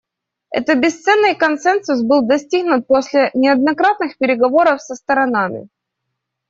Этот бесценный консенсус был достигнут после неоднократных переговоров со сторонами.